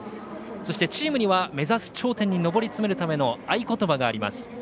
そしてチームには目指す頂点に上り詰めるための合言葉があります。